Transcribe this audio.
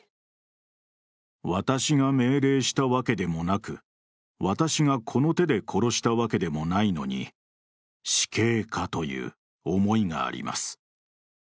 私が命令したわけでもなく、私がこの手で殺したわけでもないのに死刑かという思いがあります。